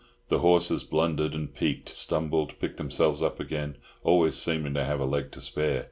The horses blundered and "peeked," stumbled, picked themselves up again, always seeming to have a leg to spare.